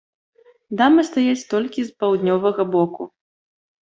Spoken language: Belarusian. Дамы стаяць толькі з паўднёвага боку.